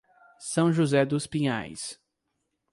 São José dos Pinhais